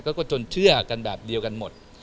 ก็จนเชื่อกันแบบเดียวกันหมด